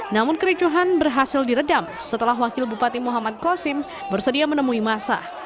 namun kericuhan berhasil diredam setelah wakil bupati muhammad kosim bersedia menemui masa